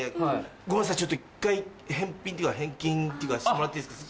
ごめんなさいちょっと一回返品っていうか返金してもらっていいですか？